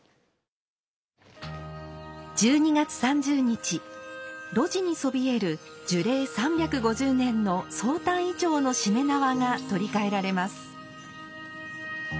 １２月３０日露地にそびえる樹齢３５０年の宗旦銀杏のしめ縄が取り替えられます。